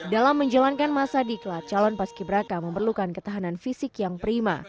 dalam menjalankan masa diklat calon paski braka memerlukan ketahanan fisik yang prima